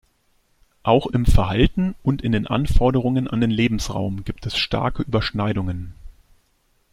Auch im Verhalten und in den Anforderungen an den Lebensraum gibt es starke Überschneidungen.